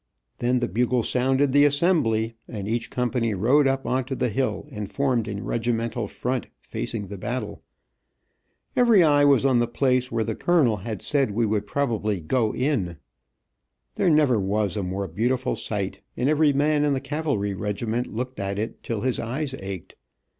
Then the bugle sounded the "Assembly," and each company rode up on to the hill and formed in regimental front facing the battle. Every eye was on the place where the colonel had said we would probably "go in." There never was a more beautiful sight, and every man in the cavalry regiment looked at it till his eyes ached.